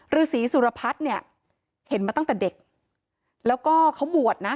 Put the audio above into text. ฤษีสุรพัฒน์เนี่ยเห็นมาตั้งแต่เด็กแล้วก็เขาบวชนะ